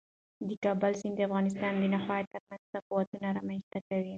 د کابل سیند د افغانستان د ناحیو ترمنځ تفاوتونه رامنځته کوي.